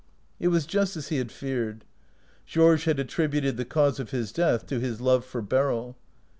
It was just as he had feared. Georges had attributed the cause of his death to his love for Beryl.